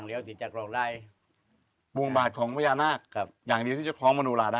บ๊วยบ๊วยบ๊วยบ๊วยบ๊วยบ๊วยบ๊วยบ๊วยที่นั่งก็คือล่วงไปฮะก็เลยเอาบวงบาทนั้นมาครองของนางมณุรา